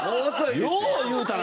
よう言うたな